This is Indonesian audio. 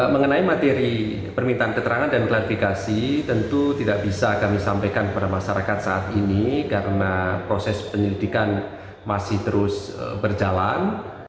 mengenai materi permintaan keterangan dan klarifikasi tentu tidak bisa kami sampaikan kepada masyarakat saat ini karena proses penyelidikan masih terus berjalan